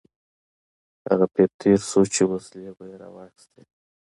هغه پیر تېر شو چې وسلې به یې راواخیستې.